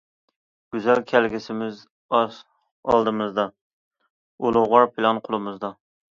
گۈزەل كەلگۈسىمىز ئالدىمىزدا، ئۇلۇغۋار پىلان قولىمىزدا.